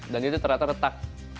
dan itu ternyata retak